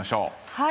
はい。